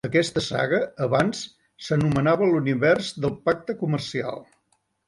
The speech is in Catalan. Aquesta saga abans s'anomenava l'Univers del pacte comercial.